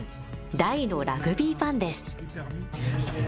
大のラグビーファンです。